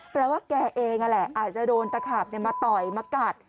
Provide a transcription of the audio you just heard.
แปลว่าแกเองนั่นแหละอาจจะโดนตะขาบมาต่อยมากัด